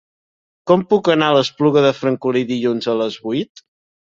Com puc anar a l'Espluga de Francolí dilluns a les vuit?